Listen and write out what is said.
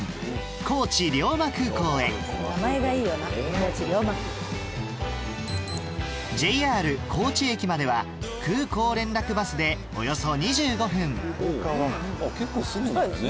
高知龍馬空港へＪＲ高知駅までは空港連絡バスでおよそ２５分結構すぐなんですね。